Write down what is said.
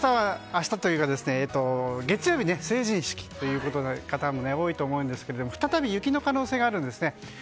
月曜日は成人式という方も多いと思うんですけれども再び雪の可能性があるんですね。